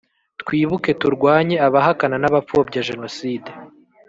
twibuke! turwanye abahakana n’ abapfobya jenoside